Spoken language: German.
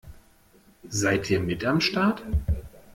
Seid ihr mit am Start?